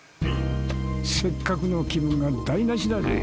せっかくの気分が台無しだぜ。